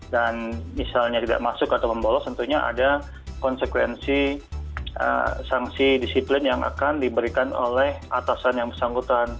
dan misalnya tidak masuk atau membolos tentunya ada konsekuensi sangsi disiplin yang akan diberikan oleh atasan yang bersangkutan